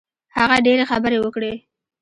هغه ډېرې خبرې وکړې.